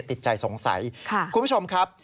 ติดใจสงสัยคุณผู้ชมครับ